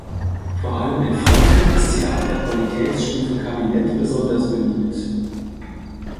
Vor allem in Franken ist sie ab der Qualitätsstufe Kabinett besonders beliebt.